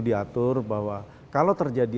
diatur bahwa kalau terjadi